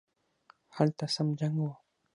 هلته سم جنګ وو